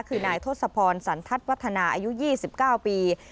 คือนายทศพรสันทัศน์วัฒนาอายุ๒๙ปี